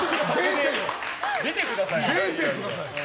出てくださいよ。